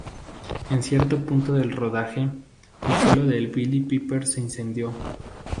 En cierto punto del rodaje, el pelo de Billie Piper se incendió.